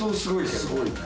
すごいね。